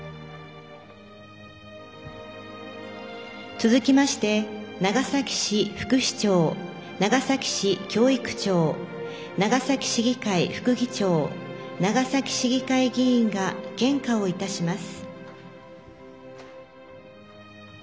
続きまして長崎市副市長長崎市教育長長崎市議会副議長長崎市議会議員が献花をいたします。